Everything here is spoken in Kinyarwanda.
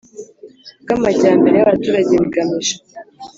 by amajyambere y abaturage bigamije